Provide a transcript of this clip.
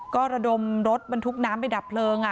ก็ระดมรถบรรทุกน้ำไปดับเพลิง